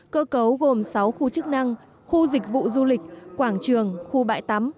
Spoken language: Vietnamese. cơ cấu gồm sáu khu chức năng khu dịch vụ du lịch quảng trường khu bãi tắm